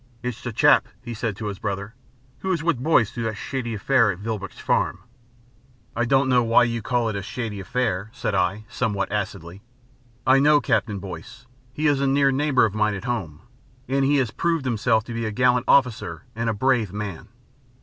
"It's the chap," he said to his brother, "who was with Boyce through that shady affair at Vilboek's Farm." "I don't know why you call it a shady affair," said I, somewhat acidly. "I know Captain Boyce he is a near neighbour of mine at home and he has proved himself to be a gallant officer and a brave man."